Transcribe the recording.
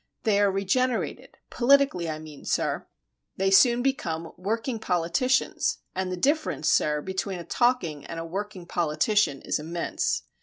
They are regenerated, politically I mean, sir. They soon become working politicians; and the difference, sir, between a talking and a working politician is immense.